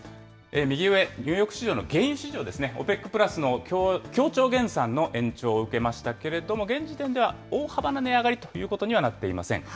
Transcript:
右上、ニューヨーク市場の原油市場ですね、ＯＰＥＣプラスの協調減産の延長を受けましたけれども、現時点では大幅な値上がりということにはなっていません。